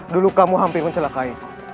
dulu kamu hampir mencelakai